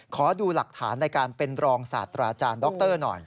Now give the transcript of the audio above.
ขอดูหลักฐานในการเป็นรองศัตริ์อาจารย์ด็อกเตอร์หน่อย